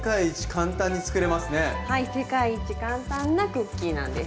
はい世界一簡単なクッキーなんです。